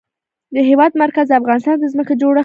د هېواد مرکز د افغانستان د ځمکې د جوړښت نښه ده.